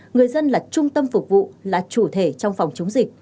người dân là trung tâm phục vụ là chủ thể trong phòng chống dịch